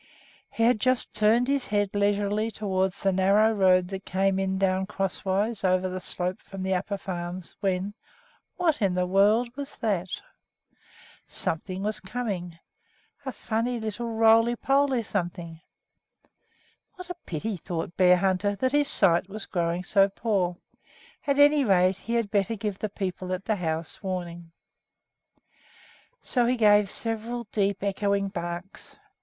He had just turned his head leisurely toward the narrow road that came down crosswise over the slope from the Upper Farms, when what in the world was that! Something was coming, a funny little roly poly something. What a pity, thought Bearhunter, that his sight was growing so poor! At any rate, he had better give the people in the house warning. So he gave several deep, echoing barks.